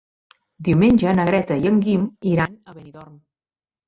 Diumenge na Greta i en Guim iran a Benidorm.